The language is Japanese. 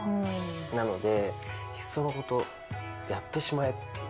なので、いっそのこと、やってしまえっていう。